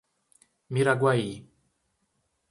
Miraguaí